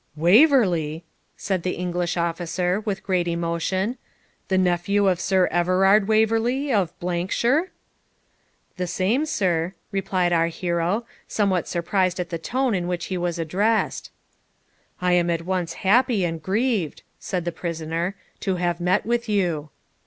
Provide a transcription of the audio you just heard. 'Waverley!' said the English officer, with great emotion;' the nephew of Sir Everard Waverley, of shire?' 'The same, sir,' replied our hero, somewhat surprised at the tone in which he was addressed. 'I am at once happy and grieved,' said the prisoner, 'to have met with you.'